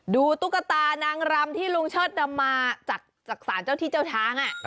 ตุ๊กตานางรำที่ลุงเชิดดำมาจากศาลเจ้าที่เจ้าทาง